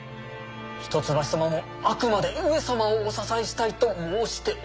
一橋様もあくまで上様をお支えしたいと申しておいでです。